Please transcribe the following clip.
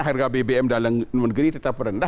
harga bbm dalam negeri tetap rendah